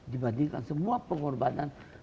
dibandingkan semua pengorbanan